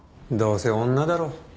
どうせ女だろ。